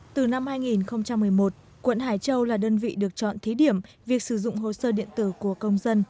từ năm hai nghìn một mươi một quận hải châu là đơn vị được chọn thí điểm việc sử dụng hồ sơ điện tử của công dân